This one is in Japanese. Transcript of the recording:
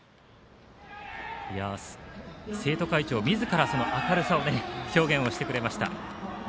生徒会長みずから明るさを表現をしてくれました。